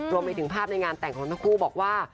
รวมไปถึงภาพในงานแต่งของทั้งคู่บอกว่า